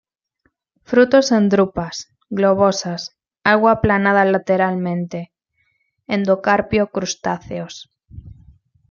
Frutos en drupas, globosas, algo aplanada lateralmente; endocarpio crustáceos.